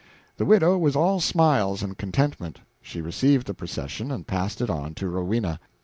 The widow was all smiles and contentment. She received the procession and passed it on to Rowena.